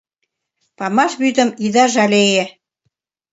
Памаш вӱдым ида жалее -